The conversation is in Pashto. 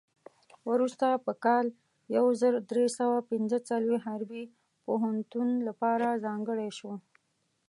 وروسته په کال یو زر درې سوه پنځه څلوېښت حربي پوهنتون لپاره ځانګړی شو.